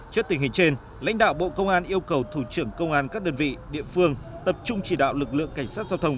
trước tình hình trên lãnh đạo bộ công an yêu cầu thủ trưởng công an các đơn vị địa phương tập trung chỉ đạo lực lượng cảnh sát giao thông